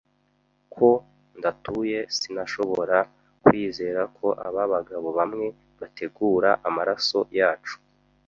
ko Ndatuye Sinashobora kwizera ko aba bagabo bamwe bategura amaraso yacu.